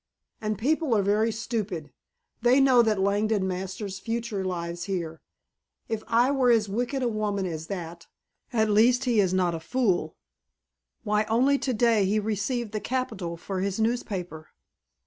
And people are very stupid. They know that Langdon Masters' future lies here. If I were as wicked a woman as that, at least he is not a fool. Why, only today he received the capital for his newspaper."